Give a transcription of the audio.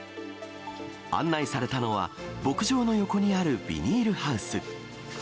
案内されたのは、牧場の横にあるビニールハウス。